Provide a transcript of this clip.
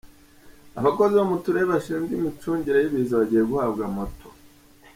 Abakozi bo mu turere bashinzwe imicungire y’ibiza bagiye guhabwa moto